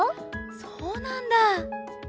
そうなんだ。